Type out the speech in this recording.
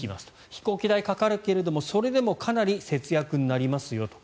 飛行機代はかかるけどそれでもかなり節約になりますと。